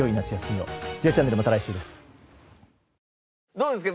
どうですか？